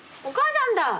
お母さんだ！